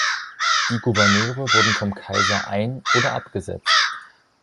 Die Gouverneure wurden vom Kaiser ein- oder abgesetzt.